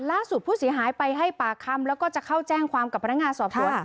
ล่าสุดผู้เสียหายไปให้ปากคำแล้วก็จะเข้าแจ้งความกับพนักงานสอบสวน